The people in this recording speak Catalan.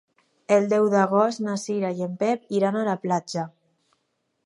El deu d'agost na Cira i en Pep iran a la platja.